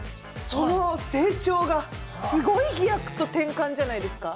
成長がすごい飛躍と展開じゃないですか。